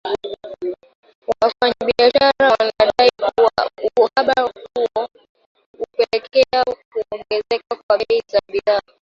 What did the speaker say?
Wafanyabiashara wanadai kuwa uhaba huo ulipelekea kuongezeka kwa bei za bidhaa